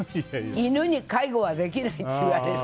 犬に介護はできないって言われて。